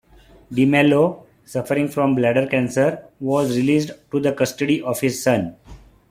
De Mello, suffering from bladder cancer, was released to the custody of his son.